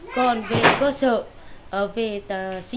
còn về cơ sở về sinh viên